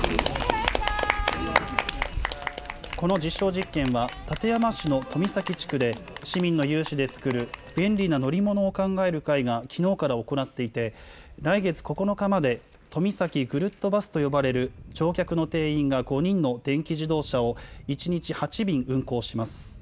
この実証実験は、館山市の富崎地区で市民の有志で作る便利な乗り物を考える会がきのうから行っていて、来月９日まで、富崎ぐるっとバスと呼ばれる乗客の定員が５人の電気自動車を１日８便運行します。